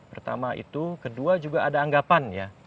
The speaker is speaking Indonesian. pertama itu kedua juga ada anggapan ya